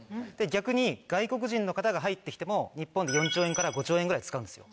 逆に外国人の方が入って来ても日本で４兆円から５兆円ぐらい使うんですよ。